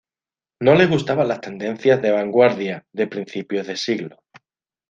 No le gustaban las tendencias de vanguardia de principios de siglo.